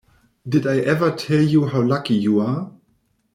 Did I Ever Tell You How Lucky You Are?